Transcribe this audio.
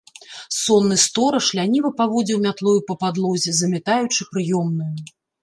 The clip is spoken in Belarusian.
Сонны стораж ляніва паводзіў мятлою па падлозе, замятаючы прыёмную.